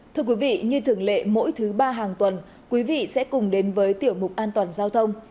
thưa quý vị như thường lệ mỗi thứ ba hàng tuần quý vị sẽ cùng đến với tiểu mục an toàn giao thông